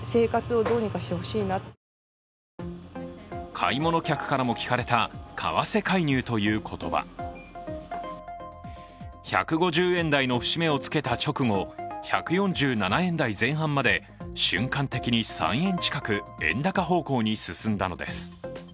買い物客からも聞かれた為替介入という言葉１５０円台の節目をつけた直後、１４７円台前半まで瞬間的に３円近く円高方向に進んだのです。